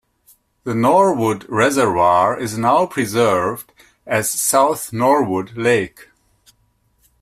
The Norwood reservoir is now preserved as South Norwood Lake.